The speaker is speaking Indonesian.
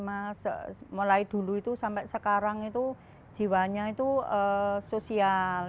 mas mulai dulu itu sampai sekarang itu jiwanya itu sosial